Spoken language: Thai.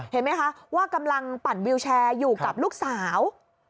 เห็นไหมคะว่ากำลังปั่นวิวแชร์อยู่กับลูกสาว